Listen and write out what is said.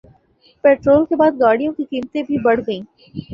petrol کے بعد گاڑیوں کی قیمتیں بھی بڑھ گئیں